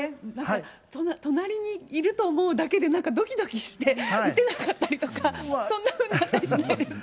隣にいると思うだけで、なんかどきどきして、打てなかったりとか、そんなふうになったりしないですか？